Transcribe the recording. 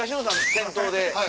先頭で。